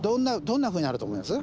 どんなふうになると思います？